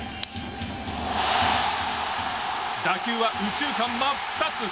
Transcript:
打球は右中間真っ二つ。